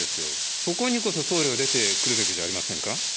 そこにこそ総理が出てくるべきじゃありませんか。